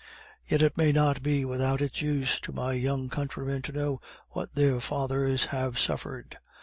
Yet it may not be without its use to my young countrymen to know what their fathers have suffered.